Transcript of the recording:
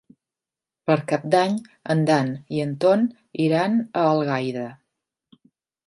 Per Cap d'Any en Dan i en Ton iran a Algaida.